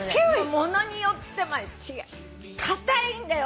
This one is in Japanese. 物によって硬いんだよ。